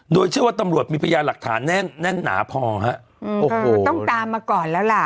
โดยเชื่อว่าตำรวจมีพยานหลักฐานแน่นแน่นหนาพอฮะโอ้โหต้องตามมาก่อนแล้วล่ะ